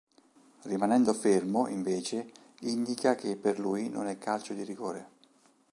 Rimanendo fermo, invece, indica che per lui non è calcio di rigore.